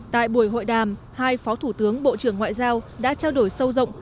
tại buổi hội đàm hai phó thủ tướng bộ trưởng ngoại giao đã trao đổi sâu rộng